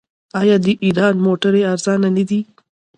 آیا د ایران موټرې ارزانه نه دي؟